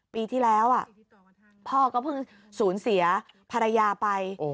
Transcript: ปีที่แล้วพ่อก็เพิ่งสูญเสียภรรยาไป